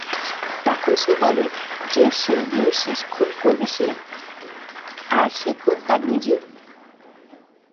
তখন সে বলে যে সেদিনই শেষ খুন করবে সে, আর সে খুন তার নিজেরই।